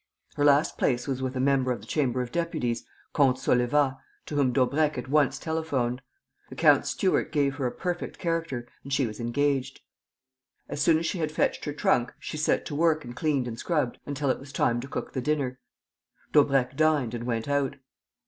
Her last place was with a member of the Chamber of Deputies, Comte Saulevat, to whom Daubrecq at once telephoned. The count's steward gave her a perfect character, and she was engaged. As soon as she had fetched her trunk, she set to work and cleaned and scrubbed until it was time to cook the dinner. Daubrecq dined and went out.